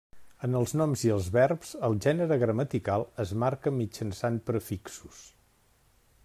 En els noms i verbs el gènere gramatical es marca mitjançant prefixos.